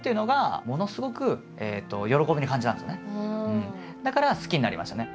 なのでだから好きになりましたね。